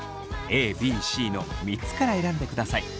ＡＢＣの３つから選んでください。